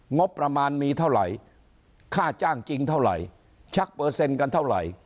งบประมาณมีเท่าไหร่ค่าจ้างจริงเท่าไหร่ชักเปอร์เซ็นต์กันเท่าไหร่